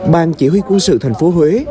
bang chỉ huy quân sự thành phố huế